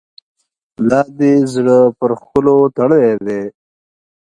لا دي زړه پر ښکلو تړلی دی.